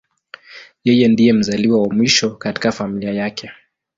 Yeye ndiye mzaliwa wa mwisho katika familia yake.